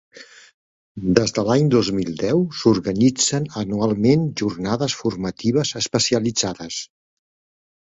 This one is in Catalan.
Des de l'any dos mil deu s'organitzen, anualment, jornades formatives especialitzades.